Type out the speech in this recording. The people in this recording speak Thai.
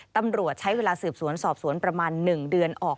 ตำรวจใช้เวลาสืบสวนสอบสวนประมาณ๑เดือนออก